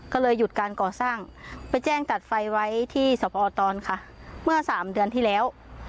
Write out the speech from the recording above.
ก็เลยหยุดการก่อสร้างไปแจ้งตัดไฟไว้ที่สพตอนค่ะเมื่อสามเดือนที่แล้ว